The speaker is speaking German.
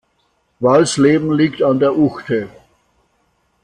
Walsleben liegt an der Uchte.